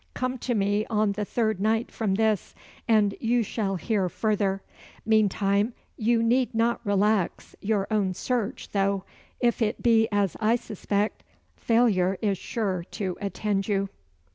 Come to me on the third night from this, and you shall hear further. Meantime, you need not relax your own search, though, if it be as I suspect, failure is sure to attend you."